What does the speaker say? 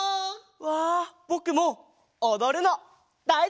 わあぼくもおどるのだいすきなんだ！